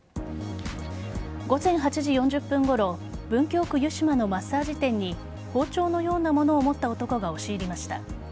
午前８時４０分ごろ文京区湯島のマッサージ店に包丁のようなものを持った男が押し入りました。